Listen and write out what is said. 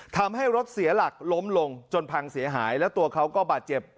ทำให้รถเสียหลักล้มลงจนพังเสียหายแล้วตัวเขาก็บาดเจ็บ